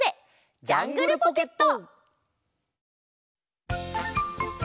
「ジャングルポケット」！